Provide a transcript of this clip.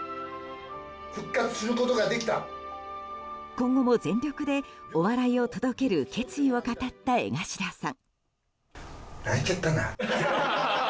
今後も全力でお笑いを届ける決意を語った江頭さん。